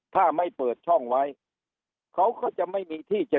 ถ้าไม่เปิดช่องไว้เขาก็จะไม่มีที่จะ